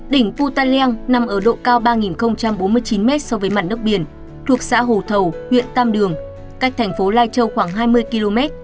đỉnh putaliang nằm ở độ cao ba bốn mươi chín m so với mặt nước biển thuộc xã hồ thầu huyện tam đường cách thành phố lai châu khoảng hai mươi km